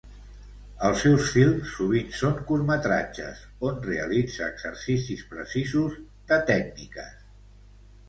Els seus films sovint són curtmetratges, on realitza exercicis precisos de tècniques.